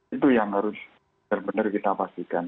itu yang harus benar benar kita pastikan